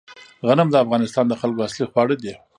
غنم د افغانستان د خلکو اصلي خواړه دي